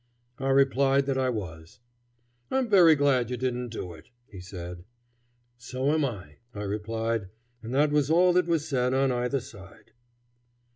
I replied that I was. "I'm very glad you didn't do it," he said. "So am I," I replied; and that was all that was said on either side.